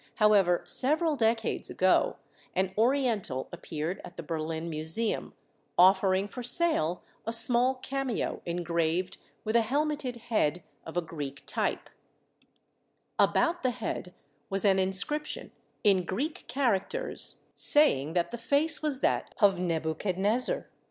How ever, several decades ago, an Oriental appeared at the Berlin Museum, offering for sale a small cameo engraved with a helmeted head of a Greek type. About the head was an inscription in Greek char Nebuchadnezzar's Cameo THE W 'ALLS OF BABYLON 45 acters saying that the face was that of Nebuchad nezzar.